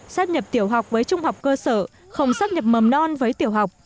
sát nhập tiểu học với trung học cơ sở không sát nhập bầm non với tiểu học